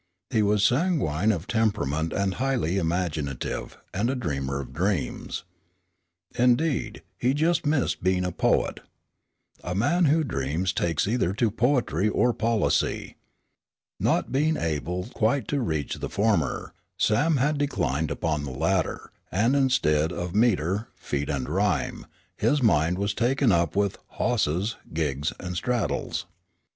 He was sanguine of temperament, highly imaginative and a dreamer of dreams. Indeed, he just missed being a poet. A man who dreams takes either to poetry or policy. Not being able quite to reach the former, Sam had declined upon the latter, and, instead of meter, feet and rhyme, his mind was taken up with "hosses," "gigs" and "straddles."